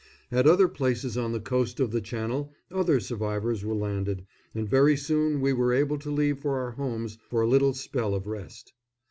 At other places on the coast of the Channel other survivors were landed, and very soon we were able to leave for our homes for a little spell of rest.